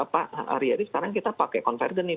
pak haryadi sekarang kita pakai converter nih